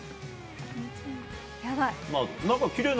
やばい。